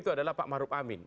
itu adalah pak maruf amin